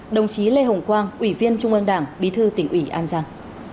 đồng chí lê hồng quang ủy viên trung ương đảng bí thư tỉnh ủy an giang